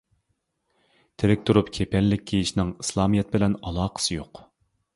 تىرىك تۇرۇپ كېپەنلىك كىيىشنىڭ ئىسلامىيەت بىلەن ئالاقىسى يوق.